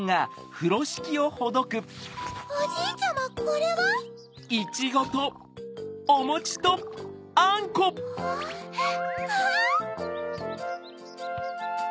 おじいちゃまこれは？わ！